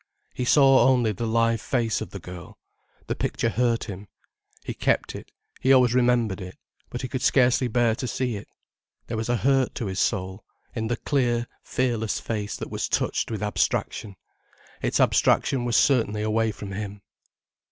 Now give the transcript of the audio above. He saw only the live face of the girl. The picture hurt him. He kept it, he always remembered it, but he could scarcely bear to see it. There was a hurt to his soul in the clear, fearless face that was touched with abstraction. Its abstraction was certainly away from him.